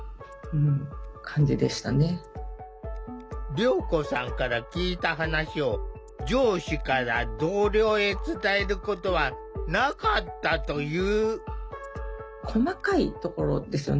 りょうこさんから聞いた話を上司から同僚へ伝えることはなかったという。